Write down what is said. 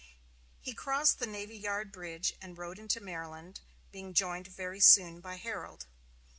He crossed the Navy Yard bridge and rode into Maryland, being joined very soon by Herold.